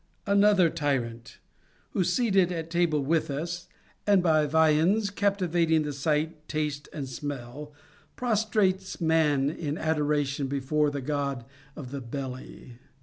Another tyrant, who seated at table with us, and by the viands, captivating the sight, taste and smell, prostrates man in adoration before the god of the belly.